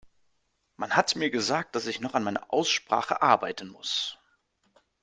Man hat mir gesagt, dass ich noch an meiner Aussprache arbeiten muss.